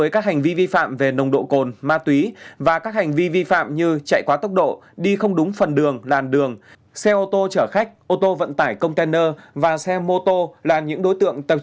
cảm ơn quý vị đã theo dõi và hẹn gặp lại